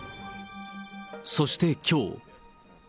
そしてきょう。